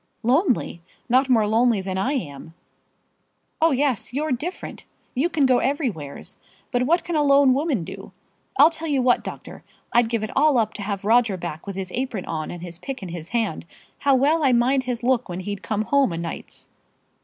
"Lonely! not more lonely than I am." "Oh, yes; you're different. You can go everywheres. But what can a lone woman do? I'll tell you what, doctor; I'd give it all up to have Roger back with his apron on and his pick in his hand. How well I mind his look when he'd come home o' nights."